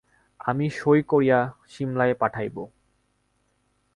আমি সই করিয়া সিমলায় পাঠাইব।